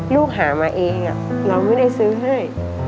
ลูกหามาเองเราไม่ได้ซื้อให้